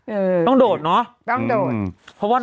เออต้องโดดเนอะอืมพูดนึง